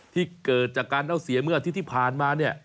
ที่เกิดจากการเอาเสียเมื่ออาทิตย์ที่ผ่านมาเนี่ย